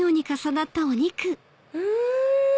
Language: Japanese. うん！